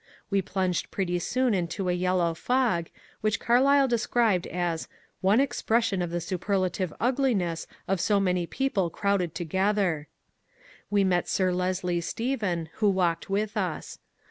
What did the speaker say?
We plunged pretty soon into a yellow fog, which Carlyle described as " one expression of the superlative ugliness of so many people crowded together." We met Sir Leslie Stephen, who walked with us.